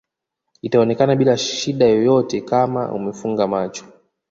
itaonekana bila shida yoyote Kama umefunga macho